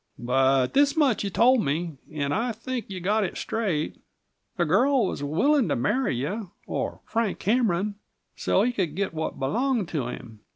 "But this much you told me and I think you got it straight. The girl was willing to marry you or Frank Cameron so he could get what belonged to him.